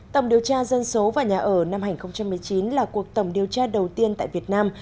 tổng điều tra dân số và nhà ở năm hai nghìn một mươi chín là cuộc tổng điều tra đầu tiên tại việt nam